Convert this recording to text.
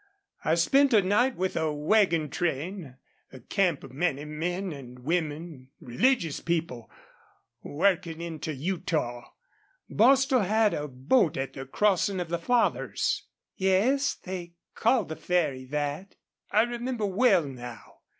I spent a night with a wagon train, a camp of many men and women, religious people, working into Utah. Bostil had a boat at the crossing of the Fathers." "Yes, they called the Ferry that." "I remember well now.